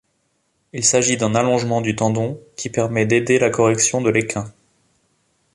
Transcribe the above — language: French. Il s’agit d’un allongement du tendon qui permet d’aider la correction de l’équin.